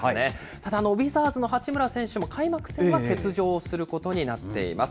ただ、ウィザーズの八村選手も開幕戦は欠場することになっています。